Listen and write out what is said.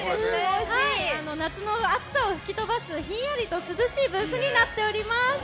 夏の暑さを吹き飛ばすひんやりと涼しいブースになっております。